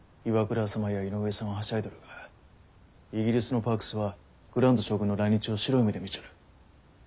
岩倉様や井上さんははしゃいどるがイギリスのパークスはグラント将軍の来日を白い目で見ちょる。